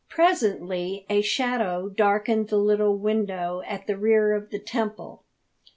Presently a shadow darkened the little window at the rear of the temple.